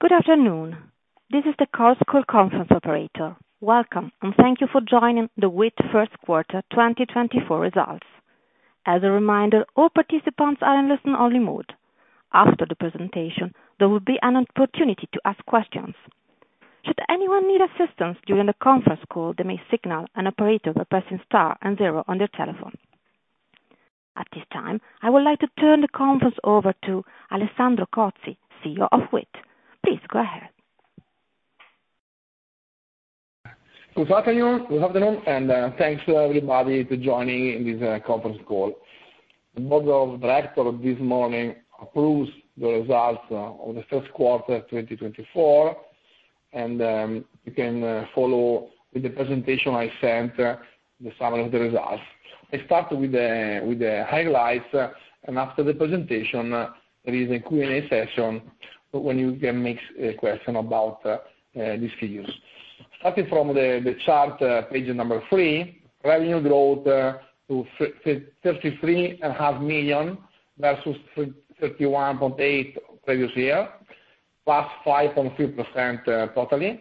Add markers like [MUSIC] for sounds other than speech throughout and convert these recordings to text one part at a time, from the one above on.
Good afternoon. This is the conference call operator. Welcome, and thank you for joining the WIIT Q1 2024 results. As a reminder, all participants are in listen-only mode. After the presentation, there will be an opportunity to ask questions. Should anyone need assistance during the conference call, they may signal an operator by pressing star and zero on their telephone. At this time, I would like to turn the conference over to Alessandro Cozzi, CEO of WIIT. Please go ahead. Good afternoon. Good afternoon, and thanks to everybody for joining this conference call. The board of directors this morning approves the results of the Q1 2024, and you can follow with the presentation I sent the summary of the results. I start with the highlights, and after the presentation, there is a Q&A session when you can make questions about these figures. Starting from the chart page number three, revenue growth to 33.5 million versus 31.8 million previous year, +5.3% totally.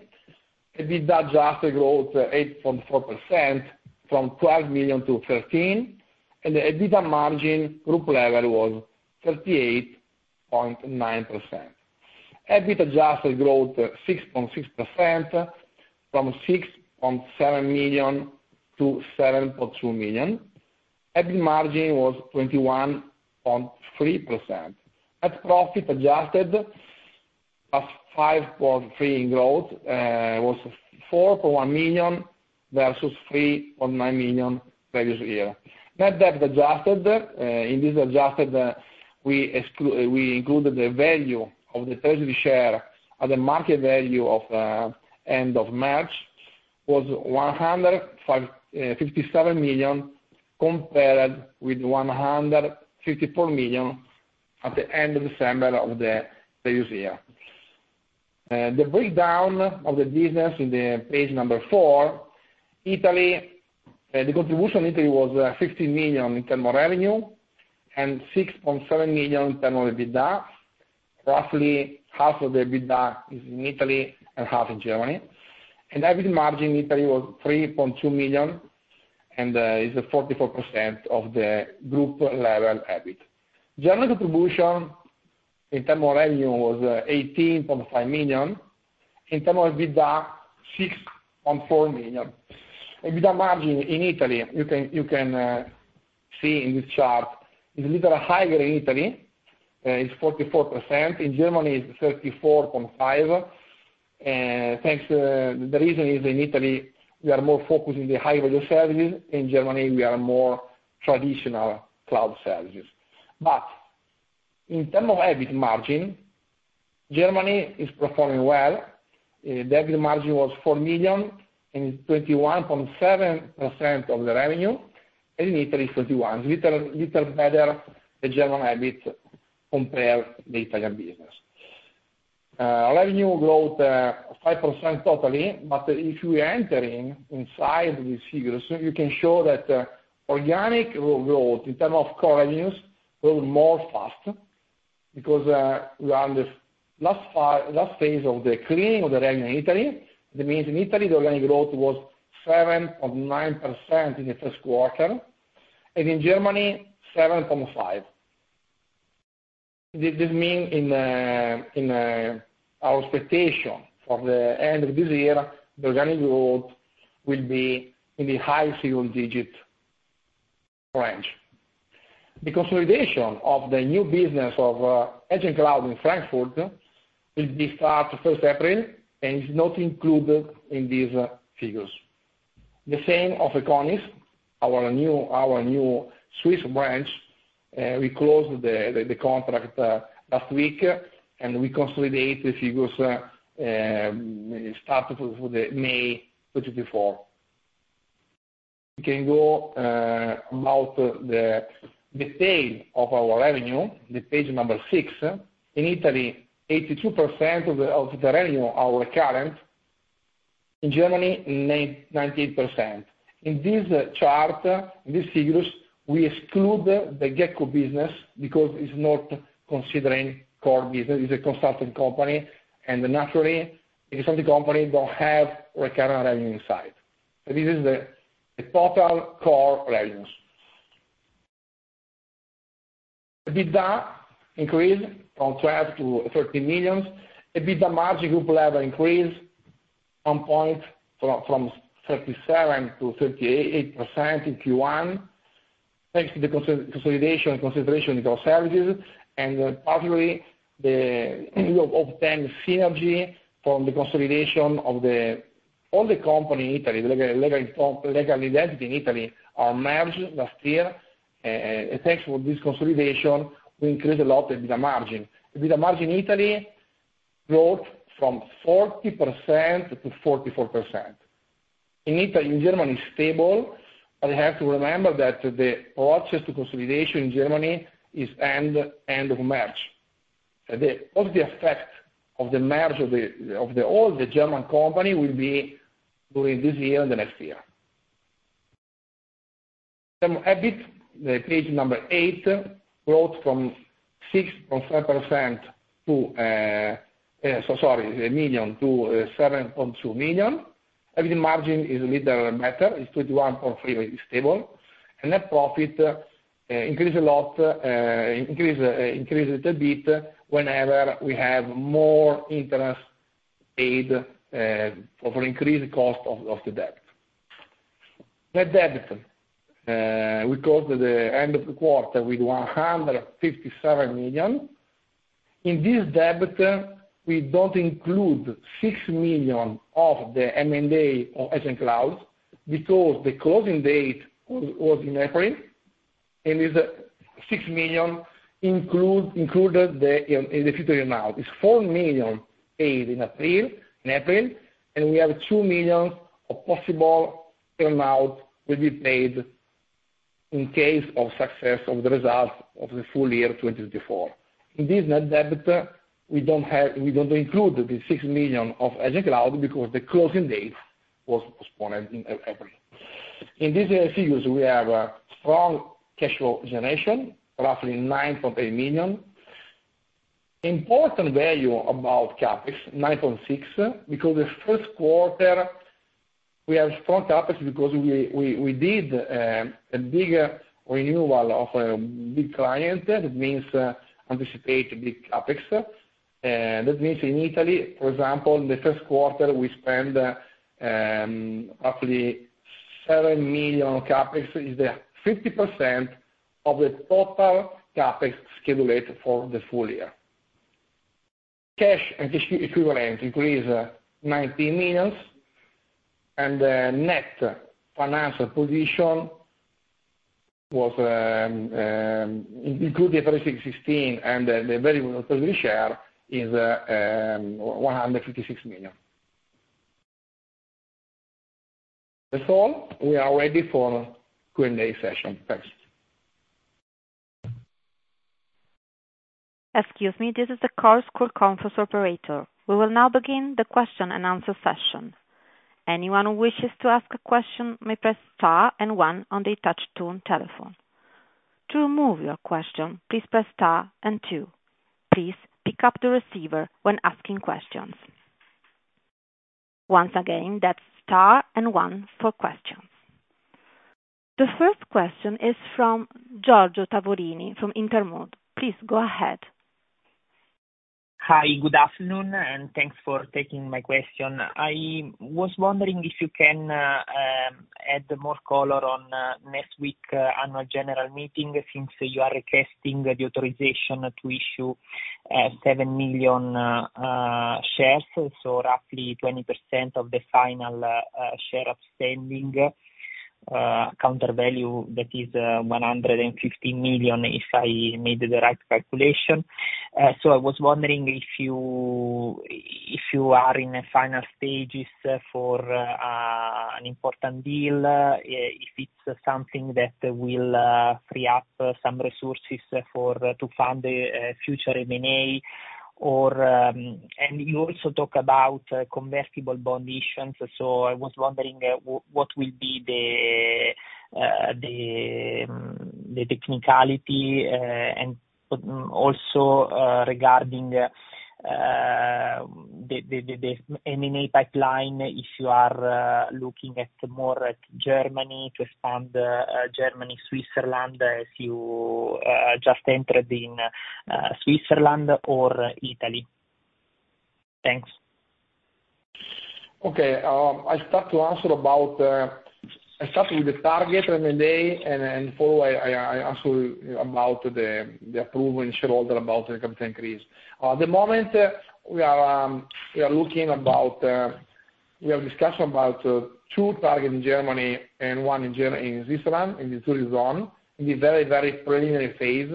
EBITDA adjusted growth 8.4% from 12 million to 13 million, and the EBITDA margin group level was 38.9%. EBIT adjusted growth 6.6% from 6.7 million to 7.2 million. EBIT margin was 21.3%. Net profit adjusted, +5.3% in growth, was 4.1 million versus 3.9 million previous year. Net debt adjusted. In this adjusted, we included the value of the treasury share at the market value of the end of March was 157 million compared with 154 million at the end of December of the previous year. The breakdown of the business in page four, Italy, the contribution in Italy was 15 million in terms of revenue and 6.7 million in terms of EBITDA. Roughly half of the EBITDA is in Italy and half in Germany. And EBIT in Italy was 3.2 million, and it's 44% of the group level EBIT. German contribution in terms of revenue was 18.5 million. In terms of EBITDA, 6.4 million. EBITDA margin in Italy, you can see in this chart, is a little higher in Italy. It's 44%. In Germany, it's 34.5%. The reason is in Italy, we are more focused in the high-value services. In Germany, we are more traditional cloud services. But in terms of EBIT margin, Germany is performing well. EBIT margin was 4 million and 21.7% of the revenue, and in Italy, it's 21%. It's a little better the German EBIT compared to the Italian business. Revenue growth 5% total, but if you are entering inside these figures, you can show that organic growth in terms of core revenues grows more fast because we are in the last phase of the cleaning of the revenue in Italy. That means in Italy, the organic growth was 7.9% in the Q1, and in Germany, 7.5%. This means in our expectation for the end of this year, the organic growth will be in the high single-digit range. The consolidation of the new business of Edge & Cloud in Frankfurt will start 1st April, and it's not included in these figures. The same of Econis, our new Swiss branch. We closed the contract last week, and we consolidate the figures starting for May 2024. You can go about the detail of our revenue, the page six. In Italy, 82% of the revenue are recurrent. In Germany, 98%. In this chart, in these figures, we exclude the Gecko business because it's not considering core business. It's a consulting company, and naturally, a consulting company doesn't have recurrent revenue inside. So this is the total core revenues. EBITDA increased from 12 million to 13 million. EBITDA margin group level increased 1 point from 37%-38% in Q1 thanks to the consolidation and consideration of core services, and particularly we obtained synergy from the consolidation of all the companies in Italy. The legal identity in Italy are merged last year, and thanks to this consolidation, we increased a lot the EBITDA margin. EBITDA margin in Italy growth from 40%-44%. In Germany, it's stable, but you have to remember that the process to consolidation in Germany is end of March. The positive effect of the merge of all the German companies will be during this year and the next year. EBIT, the page number eight, growth from 6.5% to—sorry—EUR 1 million to 7.2 million. EBITDA margin is a little better. It's 21.3%. It's stable. And net profit increased a lot, increased a little bit whenever we have more interest paid for increased cost of the debt. Net debt, we closed at the end of the quarter with 157 million. In this debt, we don't include 6 million of the M&A of Edge & Cloud because the closing date was in April, and 6 million included in the future earnout. It's 4 million paid in April, and we have 2 million of possible earnout will be paid in case of success of the results of the full year 2024. In this net debt, we don't include the 6 million of Edge & Cloud because the closing date was postponed in April. In these figures, we have strong cash flow generation, roughly 9.8 million. Important value about CapEx, 9.6 million, because Q1. We have strong CapEx because we did a big renewal of a big client. That means anticipate a big CapEx. That means in Italy, for example, in the Q1, we spend roughly 7 million CapEx. It's 50% of the total CapEx scheduled for the full year. Cash equivalent increased 19 million, and the net financial position included EUR 36.16 million, and the value of treasury share is EUR 156 million. That's all. We are ready for Q&A session. Thanks. Excuse me. This is the WIIT call conference operator. We will now begin the question-and-answer session. Anyone who wishes to ask a question may press star and one on the touch-tone telephone. To remove your question, please press star and two. Please pick up the receiver when asking questions. Once again, that's star and one for questions. The first question is from Giorgio Tavolini from Intermonte. Please go ahead. Hi. Good afternoon, and thanks for taking my question. I was wondering if you can add more color on next week's annual general meeting since you are requesting the authorization to issue 7 million shares, so roughly 20% of the final share of spending countervalue. That is 115 million if I made the right calculation. So I was wondering if you are in the final stages for an important deal, if it's something that will free up some resources to fund the future M&A, and you also talk about convertible bond issuances. So I was wondering what will be the technicality and also regarding the M&A pipeline if you are looking more at Germany to expand Germany-Switzerland as you just entered in Switzerland or Italy. Thanks. Okay. I'll start to answer about I started with the target M&A, and follow-up, I asked you about the approval and shareholder about the capital increase. At the moment, we are looking about we have discussed about two targets in Germany and one in Switzerland in the Zurich zone in the very, very preliminary phase.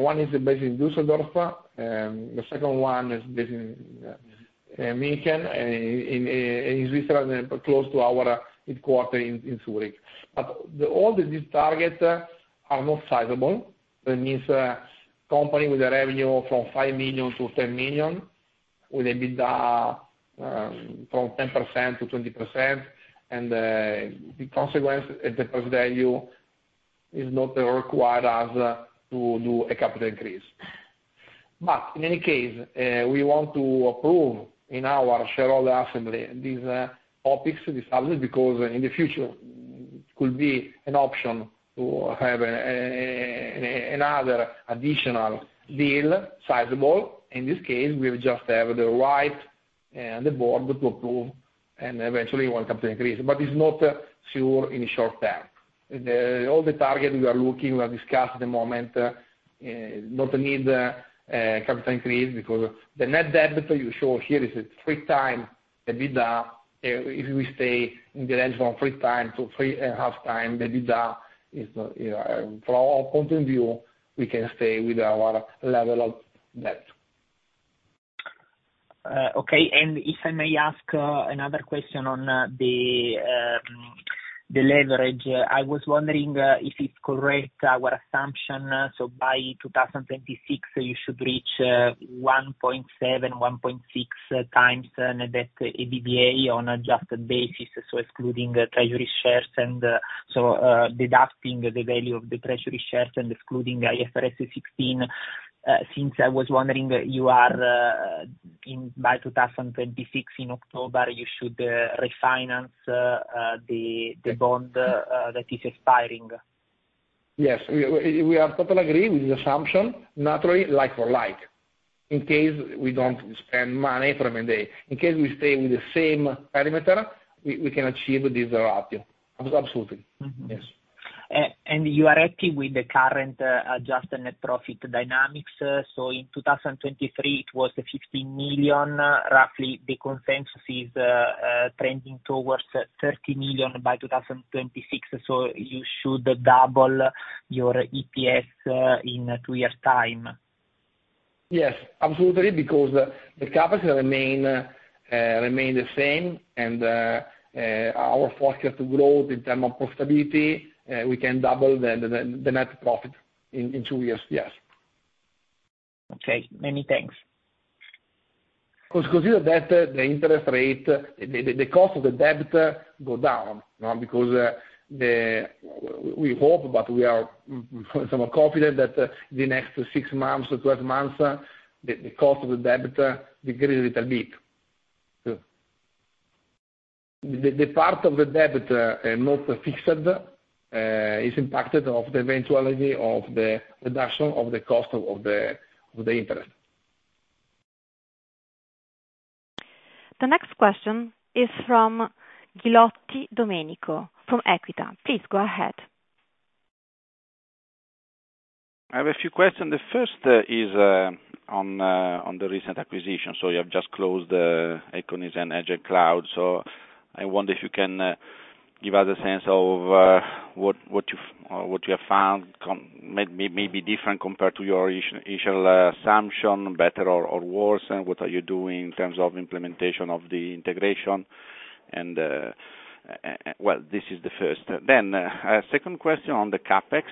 One is based in Düsseldorf, and the second one is based in Munich and in Switzerland close to our headquarters in Zurich. But all these targets are not sizable. That means a company with a revenue from 5 million-10 million with EBITDA from 10%-20%, and the consequence is the present value is not required to do a capital increase. But in any case, we want to approve in our shareholder assembly these topics, these subjects, because in the future, it could be an option to have another additional deal sizable. In this case, we just have to get the board to approve and eventually one capital increase, but it's not sure in the short term. All the targets we are looking at, we have discussed. At the moment, no need for capital increase because the net debt that you show here is 3x EBITDA. If we stay in the range from 3x to 3.5x EBITDA, from our point of view, we can stay with our level of debt. Okay. If I may ask another question on the leverage, I was wondering if it's correct our assumption. So by 2026, you should reach 1.7-1.6 times net debt to EBITDA on an adjusted basis, so excluding treasury shares and so deducting the value of the treasury shares and excluding IFRS 16. Since I was wondering, by 2026, in October, you should refinance the bond that is expiring. Yes. We totally agree with this assumption, naturally, like for like. In case we don't spend money from M&A, in case we stay with the same perimeter, we can achieve this ratio. Absolutely. Yes. You are happy with the current adjusted net profit dynamics? In 2023, it was 15 million. Roughly, the consensus is trending towards 30 million by 2026, so you should double your EPS in two years' time. Yes. Absolutely, because the CapEx remained the same, and our forecast to growth in terms of profitability, we can double the net profit in two years. Yes. Okay. Many thanks. Consider that the interest rate, the cost of the debt go down because we hope, but we are somewhat confident that in the next 6 months- 12 months, the cost of the debt decrease a little bit. The part of the debt not fixed is impacted of the eventuality of the reduction of the cost of the interest. The next question is from Domenico Ghilotti from Equita. Please go ahead. I have a few questions. The first is on the recent acquisition. So you have just closed Econis and Edge & Cloud. So I wonder if you can give us a sense of what you have found may be different compared to your initial assumption, better or worse, and what are you doing in terms of implementation of the integration? Well, this is the first. Then a second question on the CapEx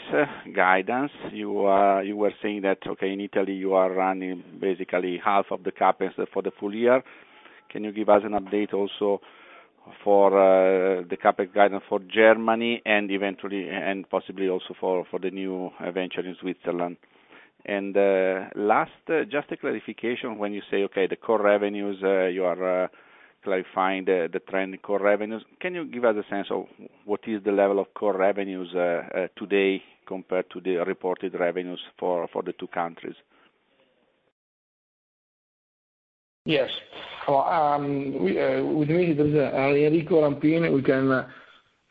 guidance. You were saying that, okay, in Italy, you are running basically half of the CapEx for the full year. Can you give us an update also for the CapEx guidance for Germany and possibly also for the new venture in Switzerland? And last, just a clarification. When you say, okay, the core revenues, you are clarifying the trend core revenues, can you give us a sense of what is the level of core revenues today compared to the reported revenues for the two countries? Yes. Well, with me, this is Enrico Rampin. We can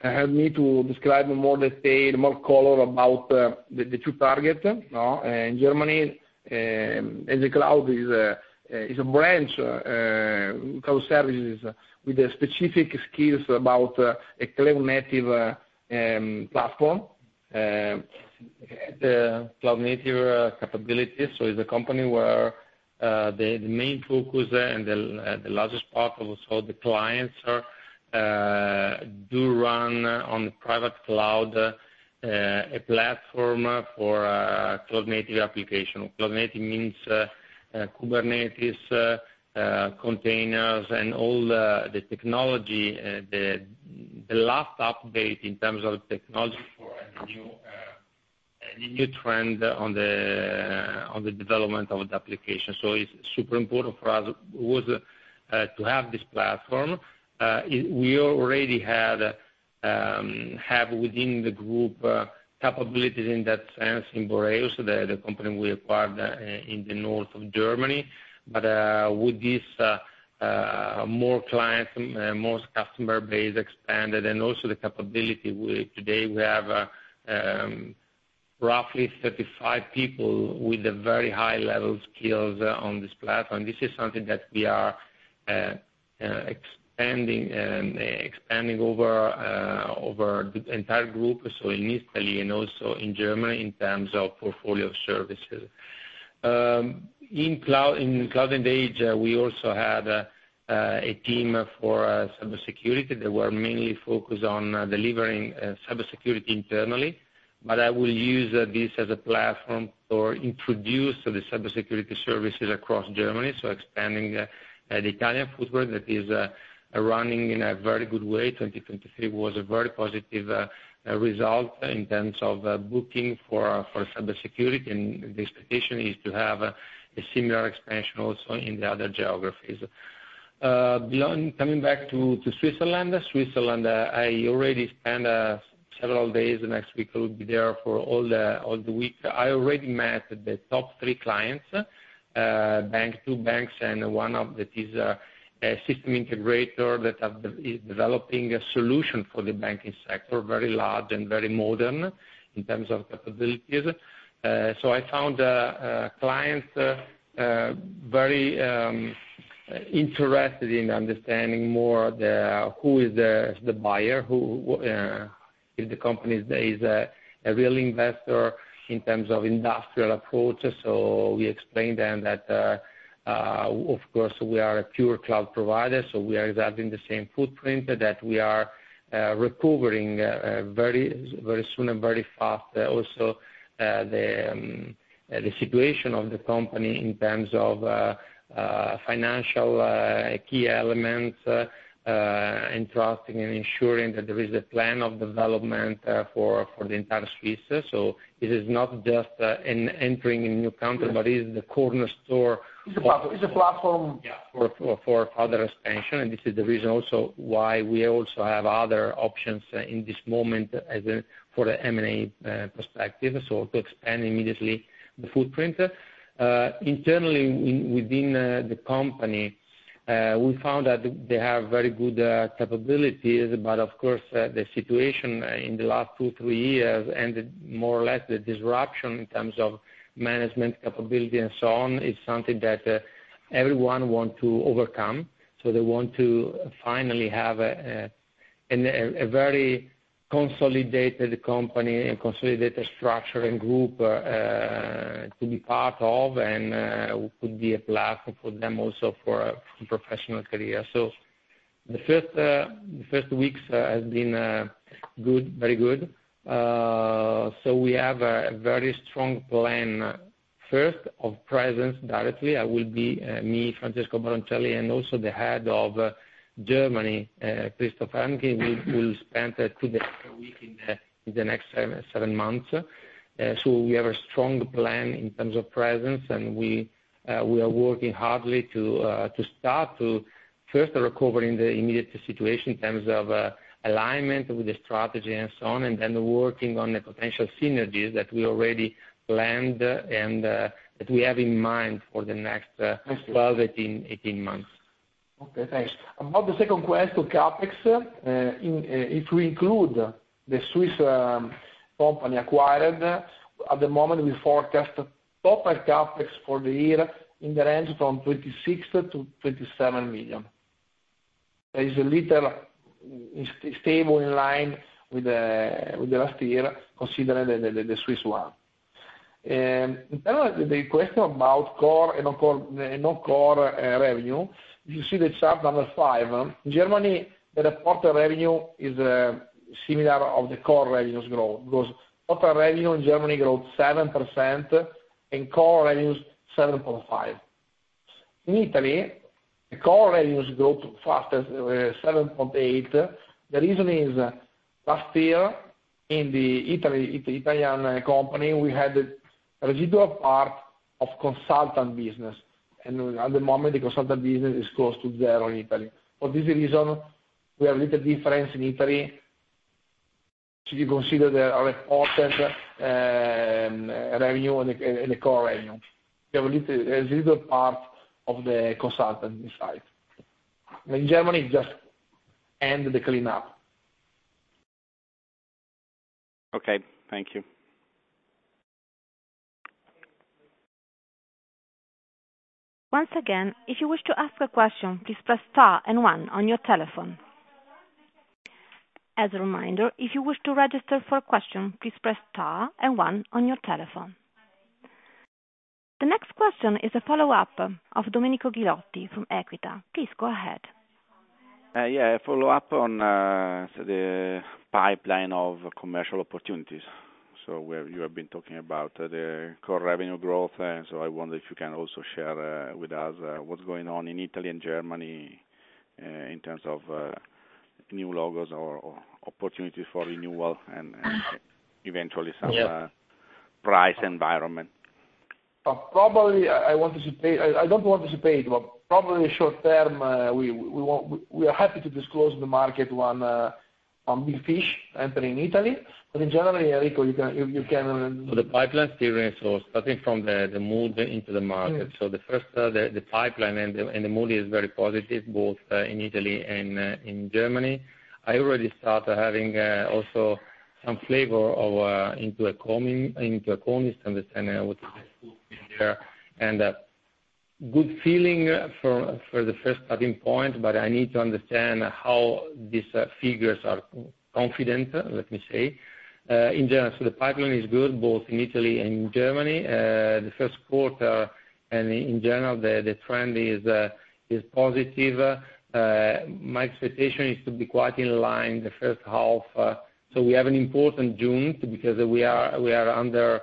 help me to describe in more detail, more color about the two targets. In Germany, Edge & Cloud is a branch cloud services with specific skills about a cloud-native platform. Cloud-native capabilities. So it's a company where the main focus and the largest part of the clients do run on the private cloud, a platform for cloud-native application. Cloud-native means Kubernetes, containers, and all the technology. The last update in terms of technology for any new trend on the development of the application. So it's super important for us to have this platform. We already have within the group capabilities in that sense in Boreus, the company we acquired in the north of Germany. But with these more clients, more customer-based, expanded, and also the capability, today, we have roughly 35 people with very high-level skills on this platform. This is something that we are expanding over the entire group, so in Italy and also in Germany, in terms of portfolio services. In Edge & Cloud, we also had a team for cybersecurity that were mainly focused on delivering cybersecurity internally. But I will use this as a platform to introduce the cybersecurity services across Germany, so expanding the Italian footprint that is running in a very good way. 2023 was a very positive result in terms of booking for cybersecurity, and the expectation is to have a similar expansion also in the other geographies. Coming back to Switzerland, I already spent several days. Next week, I will be there for all the week. I already met the top three clients, two banks, and one that is a system integrator that is developing a solution for the banking sector, very large and very modern in terms of capabilities. So I found clients very interested in understanding more who is the buyer, if the company is a real investor in terms of industrial approach. So we explained to them that, of course, we are a pure cloud provider, so we are exactly in the same footprint, that we are recovering very soon and very fast, also the situation of the company in terms of financial key elements and trusting and ensuring that there is a plan of development for the entire Switzerland. So this is not just entering a new country, but it is the cornerstone. [CROSSTALK] for further expansion, and this is the reason also why we also have other options in this moment for the M&A perspective, so to expand immediately the footprint. Internally, within the company, we found that they have very good capabilities. But of course, the situation in the last 2, 3 years and more or less the disruption in terms of management capability and so on is something that everyone wants to overcome. So they want to finally have a very consolidated company and consolidated structure and group to be part of and could be a platform for them also for a professional career. So the first weeks have been very good. So we have a very strong plan, first, of presence directly. It will be me, Francesco Baroncelli, and also the head of Germany, Christopher Helmke, who will spend two days per week in the next seven months. So we have a strong plan in terms of presence, and we are working hard to start, first, recovering the immediate situation in terms of alignment with the strategy and so on, and then working on the potential synergies that we already planned and that we have in mind for the next 12-18 months. Okay. Thanks. About the second question, CapEx, if we include the Swiss company acquired, at the moment, we forecast total CapEx for the year in the range from 26-27 million. That is a little stable in line with the last year, considering the Swiss one. In terms of the question about core and non-core revenue, if you see the chart number five, in Germany, the reported revenue is similar to the core revenues growth because total revenue in Germany grows 7% and core revenues 7.5%. In Italy, the core revenues growth fastest is 7.8%. The reason is last year, in the Italian company, we had a residual part of consultant business, and at the moment, the consultant business is close to zero in Italy. For this reason, we have a little difference in Italy if you consider the reported revenue and the core revenue. We have a little part of the consultant inside. In Germany, just. And the cleanup. Okay. Thank you. Once again, if you wish to ask a question, please press star and one on your telephone. As a reminder, if you wish to register for a question, please press star and one on your telephone. The next question is a follow-up of Domenico Ghilotti from Equita. Please go ahead. Yeah. A follow-up on the pipeline of commercial opportunities. So you have been talking about the core revenue growth, so I wonder if you can also share with us what's going on in Italy and Germany in terms of new logos or opportunities for renewal and eventually some price environment? Probably, I want to say I don't want to say paid, but probably short term, we are happy to disclose in the market one big fish entering Italy. But in general, Enrico, you can. The pipeline still is starting from the mood into the market. The pipeline and the mood is very positive, both in Italy and in Germany. I already started having also some flavor into Econis, just understanding what is good in there and a good feeling for the first starting point. But I need to understand how these figures are confident, let me say. In general, the pipeline is good, both in Italy and in Germany. The Q1 and in general, the trend is positive. My expectation is to be quite in line the H1. We have an important June because we are under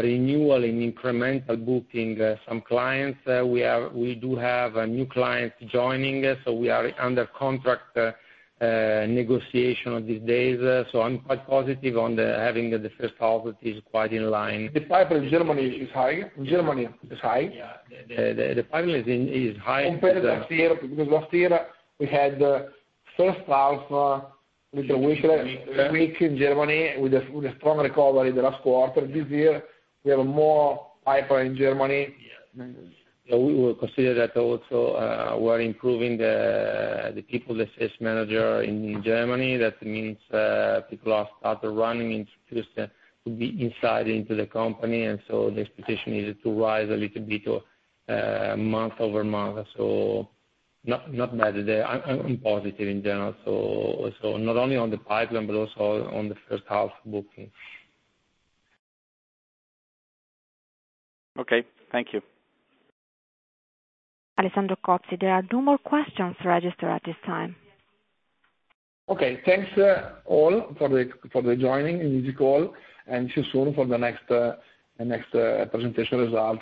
renewal and incremental booking some clients. We do have new clients joining, so we are under contract negotiation these days. I'm quite positive on having the H1 that is quite in line. The pipeline in Germany is high. Germany is high. Yeah. The pipeline is high. Compared to last year, because last year, we had the H1 a little weaker in Germany with a strong recovery the last quarter. This year, we have more pipeline in Germany. Yeah. We will consider that also we are improving the people, the sales manager in Germany. That means people are started running to be inside into the company, and so the expectation is to rise a little bit month-over-month. So not bad. I'm positive in general, so not only on the pipeline but also on the H1 booking. Okay. Thank you. Alessandro Cozzi, there are no more questions registered at this time. Okay. Thanks all for joining in this call, and see you soon for the next presentation result.